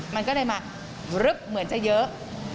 มันก็เลยมาลึกเหมือนจะเยอะ